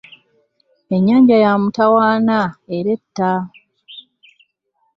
Ennyanja ya mutawaana era etta